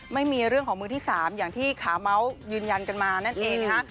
ไม่มีเรื่องของมือที่๓อย่างที่ขาเมาส์ยืนยันกันมานั่นเองนะคะ